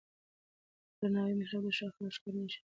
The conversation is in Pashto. درناوی او مهرباني د ښو اخلاقو ښکاره نښې دي چې ټولنه کې عزت راولي.